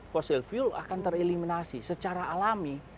fossil fuel akan tereliminasi secara alami